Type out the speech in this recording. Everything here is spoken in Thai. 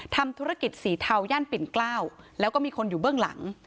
ทำธุรกิจสีเทาย่านปิ่นเกล้าแล้วก็มีคนอยู่เบื้องหลัง